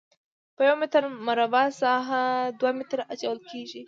په یو متر مربع ساحه دوه لیټره اچول کیږي